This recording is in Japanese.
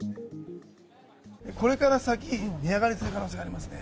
これから先、値上がりする可能性がありますね。